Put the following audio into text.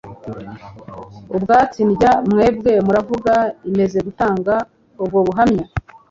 ubwatsi ndya. mwebwe muravuga! imaze gutanga ubwo buhamya